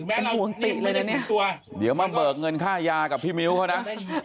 เป็นห่วงติเลยนะเนี่ยเดี๋ยวมาเบิกเงินค่ายากับพี่มิ้วเขานะ